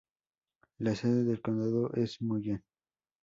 La sede del condado es Mullen.